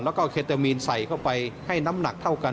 แล้วก็เคตามีนใส่เข้าไปให้น้ำหนักเท่ากัน